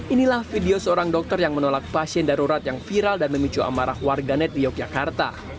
inilah video seorang dokter yang menolak pasien darurat yang viral dan memicu amarah warganet di yogyakarta